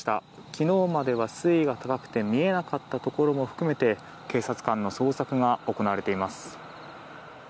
昨日までは水位が高くて見えなかったところも含めて警察官の捜索が行われています。